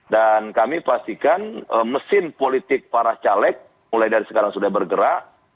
dan kami pastikan mesin politik para caleg mulai dari sekarang sudah bergerak